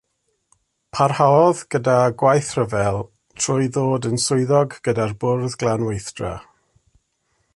Parhaodd gyda gwaith rhyfel trwy ddod yn swyddog gyda'r Bwrdd Glanweithdra.